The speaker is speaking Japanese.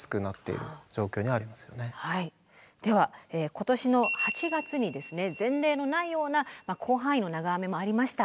では今年の８月にですね前例のないような広範囲の長雨もありました。